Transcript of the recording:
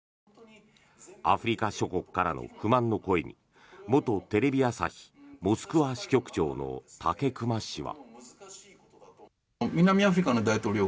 アフリカ諸国からの不満の声に元テレビ朝日モスクワ支局長の武隈氏は。